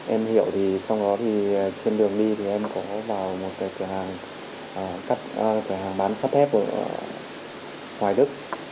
em hiểu thì sau đó thì trên đường đi thì em có vào một cái cửa hàng bán sắt thép ở hoài đức